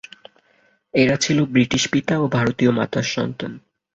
এরা ছিল ব্রিটিশ পিতা ও ভারতীয় মাতার সন্তান।